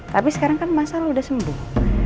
tapi sekarang kan mas al udah sembuh